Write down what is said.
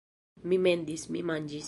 Mi mendis... mi manĝis